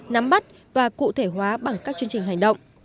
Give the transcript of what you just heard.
nắm bắt và cụ thể hóa bằng các chương trình hành động